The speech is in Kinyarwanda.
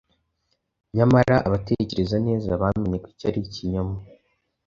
nyamara abatekereza neza bamenye ko icyo ari ikinyoma;